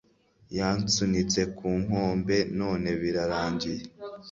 Yansunitse ku nkombe none birarangiye